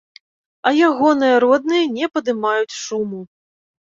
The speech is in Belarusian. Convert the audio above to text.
А ягоныя родныя не падымаюць шуму.